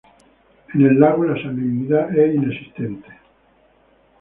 En el lago la salinidad es inexistente.